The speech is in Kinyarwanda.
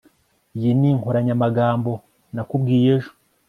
iyi ni inkoranyamagambo nakubwiye ejo